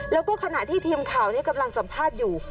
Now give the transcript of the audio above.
แล้วก็ขณะที่ทีมข่าวกำลังสัมภาษณ์อยู่